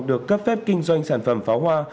được cấp phép kinh doanh sản phẩm pháo hoa